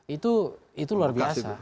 itu luar biasa